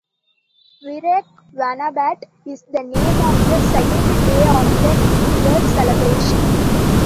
"Vireak Vanabat" is the name of the second day of the new year celebration.